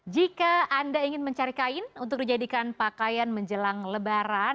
jika anda ingin mencari kain untuk dijadikan pakaian menjelang lebaran